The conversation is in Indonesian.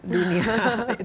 dunia yang real